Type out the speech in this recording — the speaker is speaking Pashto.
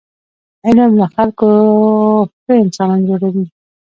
علم له خلکو ښه انسانان جوړوي.